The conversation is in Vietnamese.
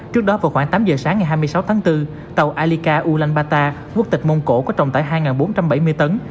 trước đó vào khoảng tám giờ sáng ngày hai mươi sáu tháng bốn tàu alica ulaanbaatar quốc tịch mông cổ có trọng tải hai bốn trăm bảy mươi tấn